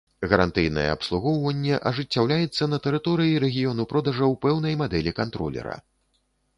Гарантыйнае абслугоўванне ажыццяўляецца на тэрыторыі рэгіёну продажаў пэўнай мадэлі кантролера.